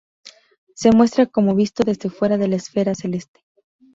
Se muestra como visto desde fuera de la esfera celeste.